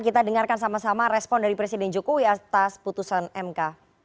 kita dengarkan sama sama respon dari presiden jokowi atas putusan mk